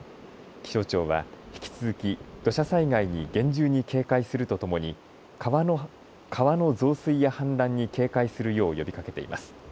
気象庁は引き続き土砂災害に厳重に警戒するとともに川の増水や氾濫に警戒するよう呼びかけています。